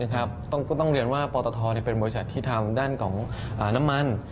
ต้องเรียนว่าปตทเป็นบริษัทที่ทำด้านของน้ำมัน